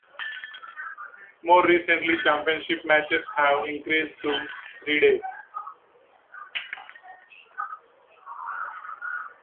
More recently, championship matches have increased to three days.